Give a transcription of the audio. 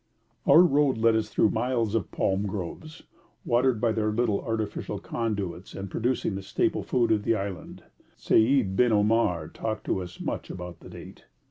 Our road led us on through miles of palm groves, watered by their little artificial conduits, and producing the staple food of the island. Seid bin Omar talked to us much about the date.